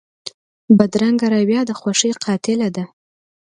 بدرنګه رویه د خوښۍ قاتله ده